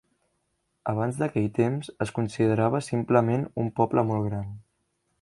Abans d'aquell temps, es considerava simplement un poble molt gran.